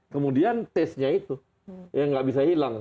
kemudian tesnya itu ya nggak bisa hilang